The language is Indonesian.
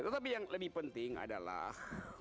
tetapi yang lebih penting adalah